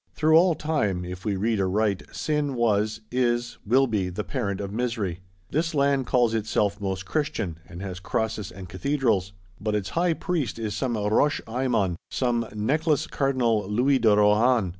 Through all time, if we read aright, sin was, is, will be, the parent of misery. This land calls itself most Christian, and has crosses and cathedrals; but its High priest is some Roche Aymon, some Necklace Cardinal Louis de Rohan.